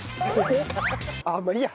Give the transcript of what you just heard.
あっまあいいや。